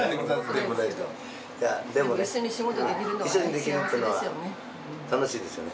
でもね一緒にできるっていうのは楽しいですよね。